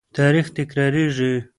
تاریخ تکرارېږي.